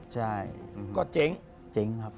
ใช่ก็เจ๋งจริงครับ